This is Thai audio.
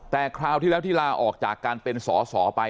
แต่คราวที่แล้วที่ลาออกจากการเป็นสอสอไป